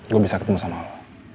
gue bisa ketemu sama allah